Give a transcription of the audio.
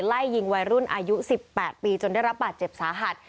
ไล่ยิงวัยรุ่นอายุ๑๘ปีจนได้รับบาดเจ็บสาหัส